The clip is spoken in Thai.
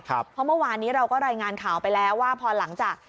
เพราะเมื่อวานนี้เราก็รายงานข่าวไปแล้วว่าพอหลังจาก